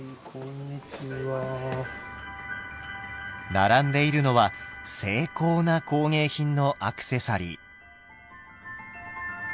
並んでいるのは精巧な工芸品のアクセサリー。